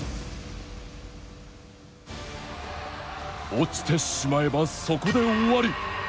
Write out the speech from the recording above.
落ちてしまえば、そこで終わり。